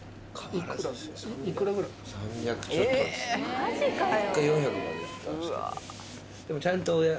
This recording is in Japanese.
マジかよ。